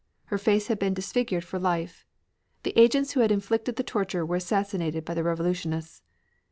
Her face had been disfigured for life. The agents who had inflicted the torture were assassinated by the revolutionists.